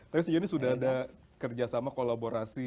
tapi sejujurnya sudah ada kerjasama kolaborasi